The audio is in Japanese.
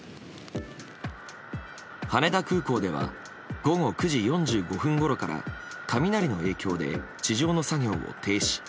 羽田空港では午後９時４５分ごろから雷の影響で地上の作業を停止。